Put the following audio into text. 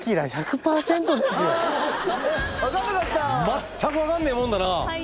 まったく分かんねえもんだなあ。